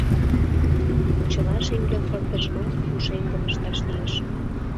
Чыла шеҥгел пырдыжымат пушеҥгым ышташ лиеш.